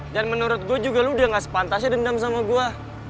dan menurut gua juga lu udah gak sepantasnya dendam sama gua